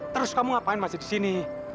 terus kamu ngapain masih di sini